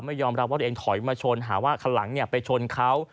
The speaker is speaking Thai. ยอมรับว่าตัวเองถอยมาชนหาว่าคันหลังไปชนเขา